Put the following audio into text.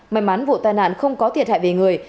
may mắn vụ tai nạn không có thiệt hại về người